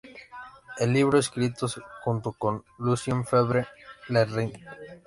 El libro escrito junto con Lucien Febvre: “Le Rhin.